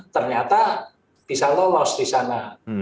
ternyata bisa lolos di sana